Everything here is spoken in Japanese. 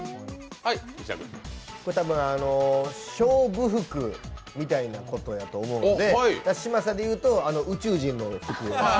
これ多分、勝負服みたいなことやと思うので、嶋佐でいうと宇宙人の服。